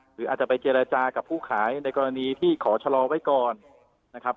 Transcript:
หรืออาจจะไปเจรจากับผู้ขายในกรณีที่ขอชะลอไว้ก่อนนะครับ